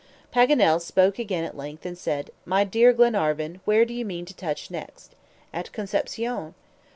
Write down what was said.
Paganel spoke again at length, and said: "My dear Glenarvan, where do you mean to touch next?" "At Concepcion."